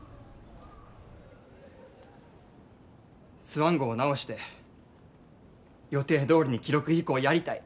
スワン号を直して予定どおりに記録飛行やりたい。